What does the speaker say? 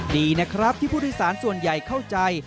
ดีนะครับที่พุทธศาลส่วนใหญ่เข้าใจ